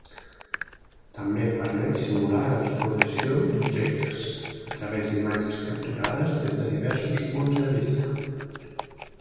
També permet simular l'exploració d'objectes, a través d'imatges capturades des de diversos punts de vista.